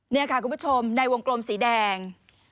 นี่ค่ะคุณผู้ชมในวงกลมสีแดง